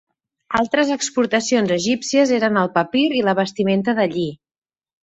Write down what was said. Altres exportacions egípcies eren el papir i la vestimenta de lli.